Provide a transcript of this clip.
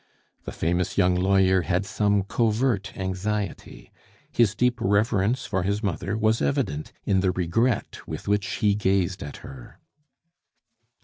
The famous young lawyer had some covert anxiety. His deep reverence for his mother was evident in the regret with which he gazed at her.